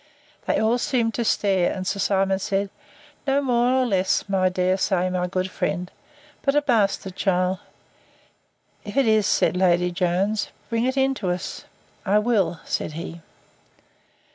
They all seemed to stare; and Sir Simon said, No more nor less, I dare say, my good friend, but a bastard child. If it is, said Lady Jones, bring it in to us. I will, said he.